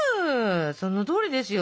そのとおりですよ！